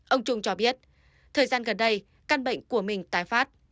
ông trung cho biết thời gian gần đây căn bệnh của mình tái phát